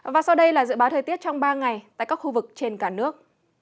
và sau đây là dự báo thời tiết trong ba ngày tại các khu vực trên cả nước